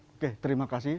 oke terima kasih